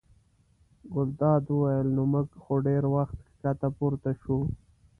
ګلداد وویل: نو موږ خو ډېر وخت ښکته پورته شوو.